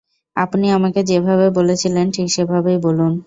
আপনি আমাকে যেভাবে বলেছিলেন ঠিক সেভাবেই বলুন।